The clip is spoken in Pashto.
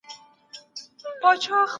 کليشه يي او تپلي افکار بايد له منځه يوړل سي.